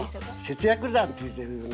節約だって言ってるのはね